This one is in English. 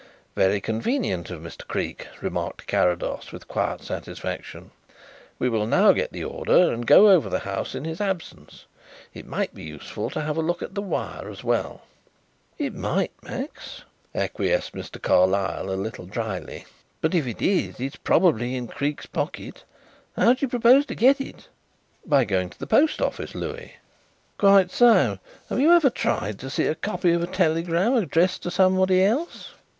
"Very convenient of Mr. Creake," remarked Carrados, with quiet satisfaction. "We will now get the order and go over the house in his absence. It might be useful to have a look at the wire as well." "It might, Max," acquiesced Mr. Carlyle a little dryly. "But if it is, as it probably is in Creake's pocket, how do you propose to get it?" "By going to the post office, Louis." "Quite so. Have you ever tried to see a copy of a telegram addressed to someone else?"